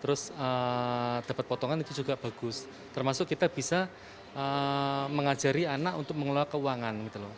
terus dapat potongan itu juga bagus termasuk kita bisa mengajari anak untuk mengelola keuangan